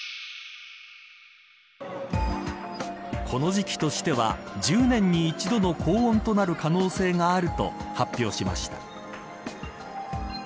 この時期としては１０年に一度の高温となる可能性があると発表しました。